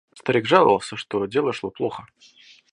Старик жаловался, что дело шло плохо.